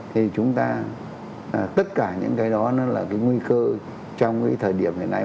thì chúng ta tất cả những cái đó nó là cái nguy cơ trong cái thời điểm hiện nay